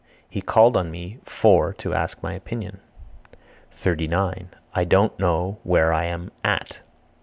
He called on me (for) to ask my opinion. 39. I don't know where I am (at).